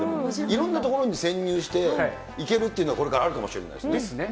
いろんな所に潜入していけるというのは、これからあるかもしれない。ですね。